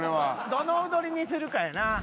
どの踊りにするかやな。